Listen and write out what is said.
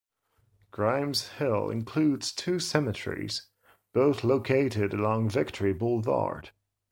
Grymes Hill includes two cemeteries, both located along Victory Boulevard.